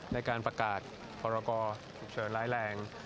ในการประกาศพรกรฉุกเฉินร้ายแรง